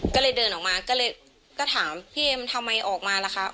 ก็เลยเดินออกมาก็เลยก็ถามพี่เอ็มทำไมออกมาล่ะคะ